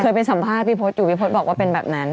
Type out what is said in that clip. ไปสัมภาษณ์พี่พศอยู่พี่พศบอกว่าเป็นแบบนั้น